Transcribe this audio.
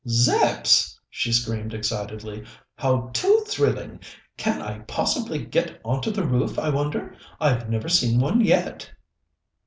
"Zepps!" she screamed excitedly. "How too thrilling! Can I possibly get on to the roof, I wonder? I've never seen one yet."